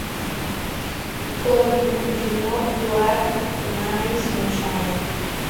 Con "Do You Know You Are My Sunshine?